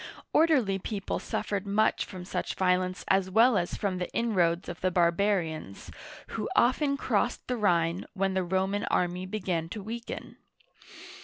Or derly people suffered much from such violence as well as from the inroads of the barbarians, who often crossed the Rhine when the Roman army began to weaken.